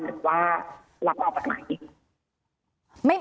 หรือว่ารับออกปัญหาอีก